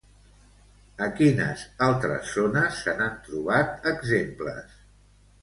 A quines altres zones se n'han trobat exemples?